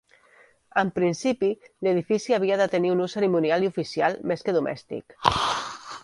En principi l'edifici havia de tenir un ús cerimonial i oficial, més que domèstic.